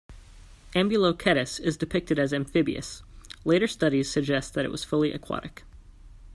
Ambulocetus is depicted as amphibious; later studies suggest that it was fully aquatic.